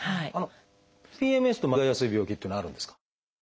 ＰＭＳと間違えやすい病気っていうのはあるんですか？